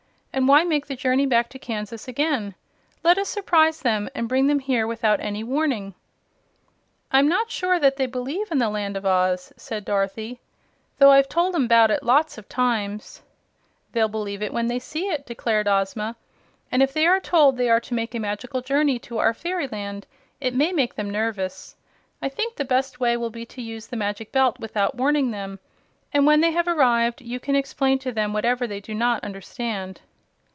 "And why make the journey back to Kansas again? Let us surprise them, and bring them here without any warning." "I'm not sure that they believe in the Land of Oz," said Dorothy, "though I've told 'em 'bout it lots of times." "They'll believe when they see it," declared Ozma; "and if they are told they are to make a magical journey to our fairyland, it may make them nervous. I think the best way will be to use the Magic Belt without warning them, and when they have arrived you can explain to them whatever they do not understand."